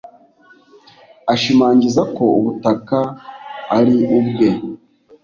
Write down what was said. Ashimangiza ko ubutaka ari ubwe